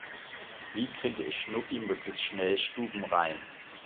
Wie kriege ich Schnuffi möglichst schnell stubenrein?